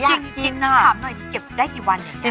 จริงต้องถามหน่อยเก็บได้กี่วันเนี่ย